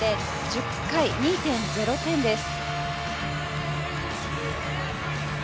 １０回、２．０点です。